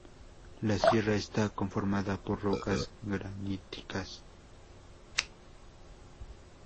La sierra esta conformada por rocas graníticas.